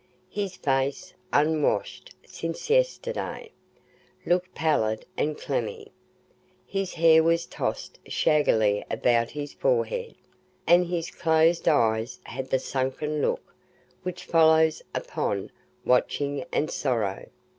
His face, unwashed since yesterday, looked pallid and clammy; his hair was tossed shaggily about his forehead, and his closed eyes had the sunken look which follows upon watching and sorrow.